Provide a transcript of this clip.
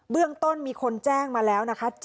เรื่องต้นมีคนแจ้งมาแล้วนะคะ